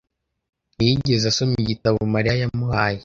ntiyigeze asoma igitabo Mariya yamuhaye.